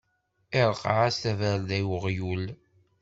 Iṛqeɛ-as tabarda i uɣyul.